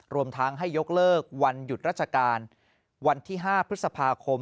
รวมทั้งให้ยกเลิกวันหยุดราชการวันที่๕พฤษภาคม